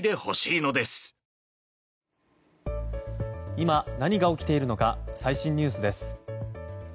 今、何が起きているのか最新ニュースです。